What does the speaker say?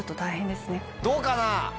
どうかな？